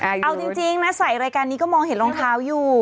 เอาจริงนะใส่รายการนี้ก็มองเห็นรองเท้าอยู่